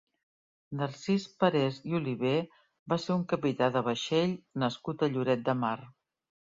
Narcís Parés i Oliver va ser un capità de vaixell nascut a Lloret de Mar.